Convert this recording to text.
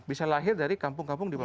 bisa lahir dari kampung kampung di bawah